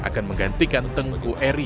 akan menggantikan tengku eri